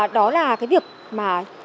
đó là cái việc mà